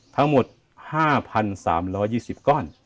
ทั้งหมด๕๓๒๐ก้อน